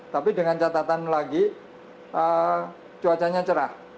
tapi dengan catatan lagi cuacanya cerah